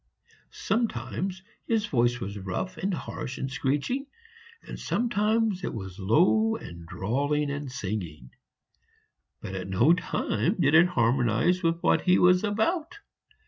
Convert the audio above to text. Sometimes his voice was rough and harsh and screeching, and sometimes it was low and drawling and singing; but at no time did it harmonize with what he was about.